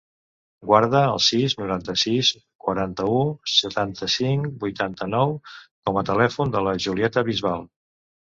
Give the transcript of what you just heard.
Guarda el sis, noranta-sis, quaranta-u, setanta-cinc, vuitanta-nou com a telèfon de la Julieta Bisbal.